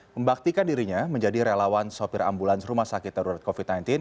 membaktikan dirinya menjadi relawan sopir ambulans rumah sakit darurat covid sembilan belas